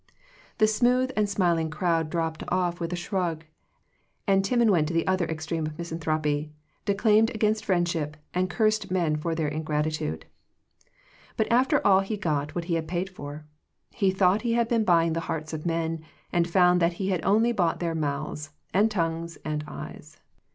The smooth and smiling crowd dropped off with a shrug, and Timon went to the other ex treme of misanthropy, declaimed against friendship, and cursed men for their in gratitude. But after all he got what he had paid for. He thought he had been buying the hearts of men, and found that he had only bought their mouths, and tongues, and eyes.